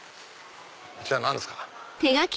こっちは何ですか？